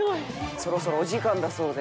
そろそろお時間だそうで。